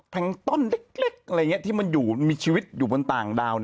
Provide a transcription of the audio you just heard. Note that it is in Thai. ต้นเล็กอะไรอย่างนี้ที่มันอยู่มีชีวิตอยู่บนต่างดาว